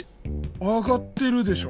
上がってるでしょ。